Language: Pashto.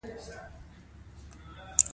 افغانستان د طبیعي زیرمې له مخې پېژندل کېږي.